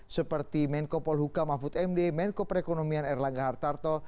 seperti menko polhuka mahfud md menko perekonomian erlangga hartarto